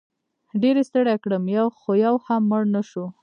ډېر یې ستړی کړم خو یو هم مړ نه شو.